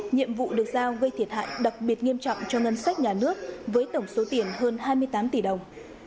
nhiệm vụ được giao gây thiệt hại đặc biệt nghiêm trọng cho ngân sách nhà nước với tổng số tiền hơn hai mươi tám tỷ đồng